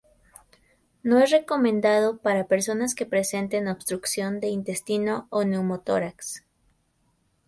No es recomendado para personas que presenten obstrucción de intestino o neumotórax.